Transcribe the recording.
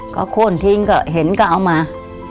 ก็โค้นทิ้งก็เห็นก็เอามา